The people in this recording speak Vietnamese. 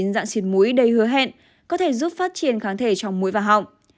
dạng xịt mũi đầy hứa hẹn có thể giúp phát triển kháng thể trong mũi và họng